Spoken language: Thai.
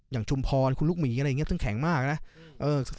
อย่างชุมพรคุณลูกหมีอะไรอย่างเงี้ยซึ่งแข็งมากน่ะเออ